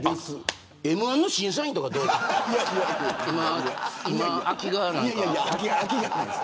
あ、Ｍ‐１の審査員とかどうですか。